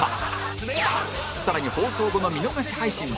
更に放送後の見逃し配信も